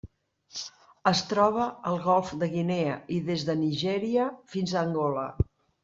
Es troba al Golf de Guinea i des de Nigèria fins a Angola.